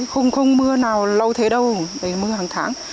không mưa nào lâu thế đâu mưa hàng tháng